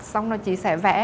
xong rồi chị sẽ vẽ